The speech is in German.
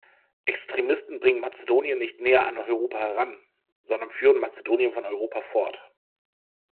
Extremisten bringen Mazedonien nicht näher an Europa heran, sondern führen Mazedonien von Europa fort.